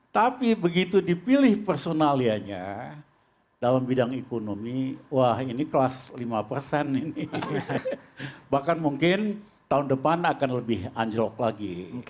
tapi begitu dipilih personalianya dalam bidang ekonomi wah ini kelas lima persen ini bahkan mungkin tahun depan akan lebih anjlok lagi